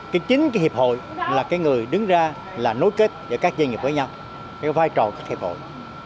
thì chính cái hiệp hội là cái người đứng ra là nối kết giữa các doanh nghiệp với nhau cái vai trò các hiệp hội